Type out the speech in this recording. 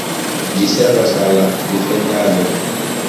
Ĝi servas al la defendado.